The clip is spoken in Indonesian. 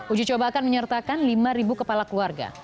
uji coba akan menyertakan lima kepala keluarga